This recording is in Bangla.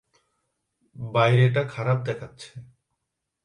বাইরেটা খারাপ দেখাচ্ছে।